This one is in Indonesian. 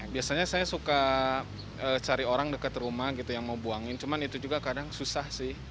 biasanya saya suka cari orang dekat rumah gitu yang mau buangin cuman itu juga kadang susah sih